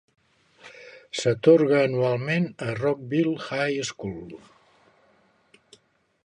S'atorga anualment a Rockville High School.